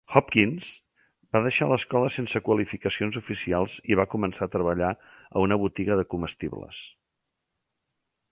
Hopkins va deixar l"escola sense qualificacions oficials i va començar a treballar a una botiga de comestibles.